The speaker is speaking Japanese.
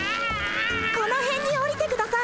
このへんにおりてください。